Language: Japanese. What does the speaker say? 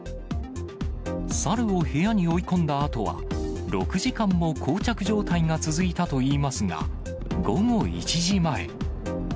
猿を部屋に追い込んだあとは、６時間もこう着状態が続いたといいますが、午後１時前。